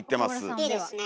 おっいいですね。